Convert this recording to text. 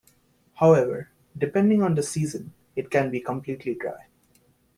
However, depending on the season, it can be completely dry.